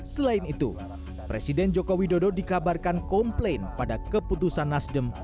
selain itu presiden joko widodo dikabarkan komplain pada keputusan nasdem